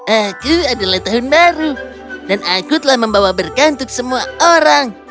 aku adalah tahun baru dan aku telah membawa berkantuk semua orang